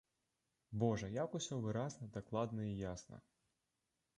Божа, як усё выразна, дакладна і ясна!